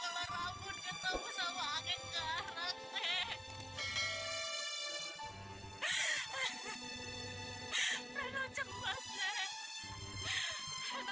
apakah sebelumnya rambun tablet nuk